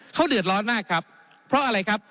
เขาเดือดร้อนมากครับเพราะอะไรครับ